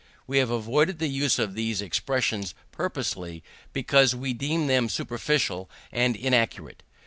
We have avoided the use of these expressions purposely, because we deem them superficial and inaccurate.